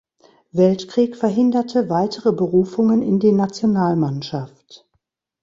Weltkrieg verhinderte weitere Berufungen in die Nationalmannschaft.